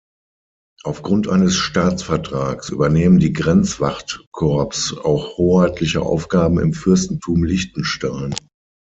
Aufgrund eines Staatsvertrags übernehmen die Grenzwachtkorps auch hoheitliche Aufgaben im Fürstentum Liechtenstein.